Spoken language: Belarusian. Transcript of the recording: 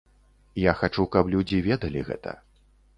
Я хачу, каб людзі ведалі гэта.